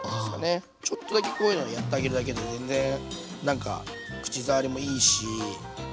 ちょっとだけこういうのやってあげるだけで全然なんか口触りもいいしおいしく食べれるんで。